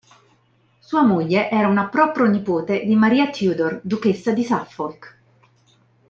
Sua moglie era una pro-pro-nipote di Maria Tudor, duchessa di Suffolk.